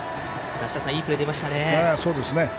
いいプレーが出ましたね。